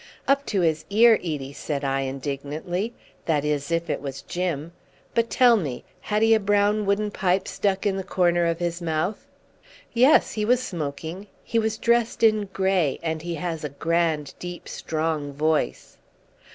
"Up to his ear, Edie!" said I indignantly. "That is, if it was Jim. But tell me. Had he a brown wooden pipe stuck in the corner of his mouth?" "Yes, he was smoking. He was dressed in grey, and he has a grand deep strong voice."